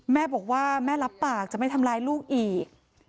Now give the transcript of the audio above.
แม่บอกว่าแม่รับปากจะไม่ทำร้ายลูกอีก